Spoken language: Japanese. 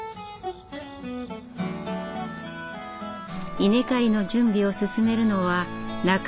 稲刈りの準備を進めるのは中條栄一さん。